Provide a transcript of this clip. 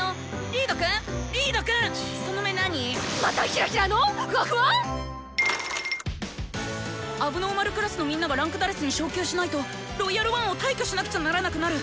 リードくん⁉リードくん⁉その目何⁉またヒラヒラのふわふわ⁉問題児クラスのみんなが位階「４」に昇級しないと「ロイヤル・ワン」を退去しなくちゃならなくなる。